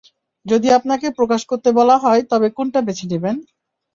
যদি আপনাকে প্রকাশ করতে বলা হয়, তবে কোনটা বেছে নেবেন?